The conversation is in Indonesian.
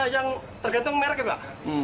yang tergantung mereknya pak